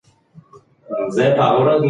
موږ باید د نړۍ له کاروان سره یوځای شو.